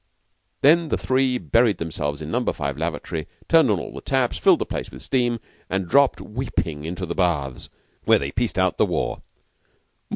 Then the three buried themselves in Number Five lavatory, turned on all the taps, filled the place with steam, and dropped weeping into the baths, where they pieced out the war.